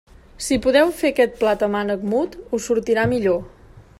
Si podeu fer aquest plat amb ànec mut, us sortirà millor.